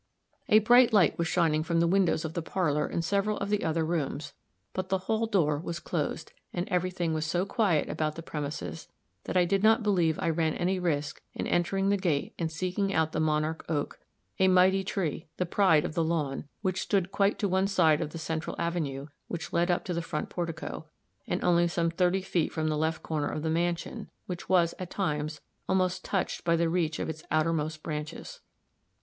A bright light was shining from the windows of the parlor and several of the other rooms, but the hall door was closed, and every thing was so quiet about the premises that I did not believe I ran any risk in entering the gate and seeking out the monarch oak a mighty tree, the pride of the lawn, which stood quite to one side from the central avenue which led up to the front portico, and only some thirty feet from the left corner of the mansion, which was, at times, almost touched by the reach of its outermost branches.